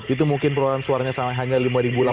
itu mungkin perolahan suaranya hanya lima delapan ratus sekian